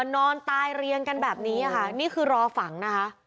นอนตายเรียงกันแบบนี้ค่ะนี่คือรอฝังนะคะ